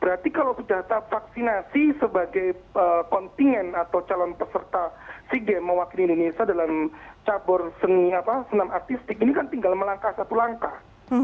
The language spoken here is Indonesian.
berarti kalau sudah data vaksinasi sebagai kontingen atau calon peserta sea games mewakili indonesia dalam cabur senam artistik ini kan tinggal melangkah satu langkah